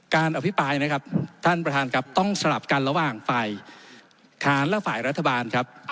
อภิปรายนะครับท่านประธานครับต้องสลับกันระหว่างฝ่ายค้านและฝ่ายรัฐบาลครับ